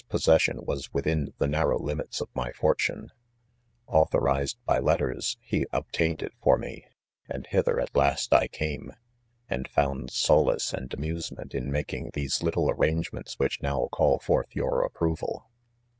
possession was within the nar row limits of nay fortune, Authorized by let ters, he obtained it for me ; and hither, at last I came, and found solace and amusement ir. making these little arrangements which d.ow call forth your approval.